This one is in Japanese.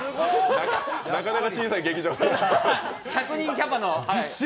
なかなか小さい劇場で。